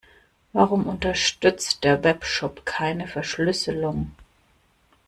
Warum unterstützt der Webshop keine Verschlüsselung?